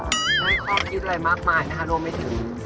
ไม่ได้ความคิดมากมายนะคะรวมไม่ถึง